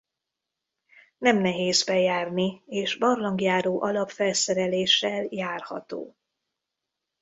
Nem nehéz bejárni és barlangjáró alapfelszereléssel járható.